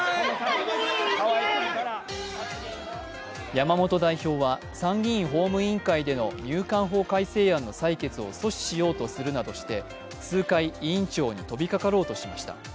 山本代表は参議院法務委員会での入管法改正案の採決を阻止しようとするなどして数回委員長に飛びかかろうとしました。